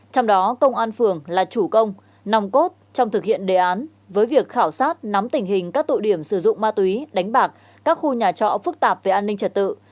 trong đó công an phường là chủ công nòng cốt trong thực hiện đề án với việc khảo sát nắm tình hình các tụ điểm sử dụng ma túy đánh bạc các khu nhà trọ phức tạp về an ninh trật tự